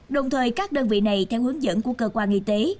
đồng thời các đơn vị này theo hướng dẫn của cơ quan y tế